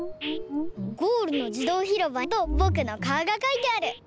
ゴールのじどうひろばとぼくのかおがかいてある！